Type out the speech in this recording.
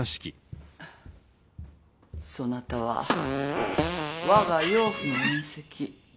そなたは我が養父の遠戚。